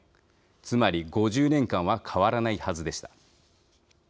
つまり、５０年間は変わらないはずでした。